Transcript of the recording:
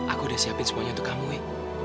aku udah siapin semuanya untuk kamu ya